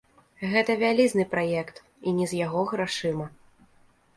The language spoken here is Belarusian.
Гэта вялізны праект і не з яго грашыма.